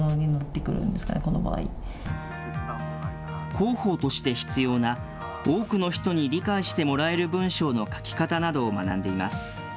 広報として必要な多くの人に理解してもらえる文章の書き方などを学んでいます。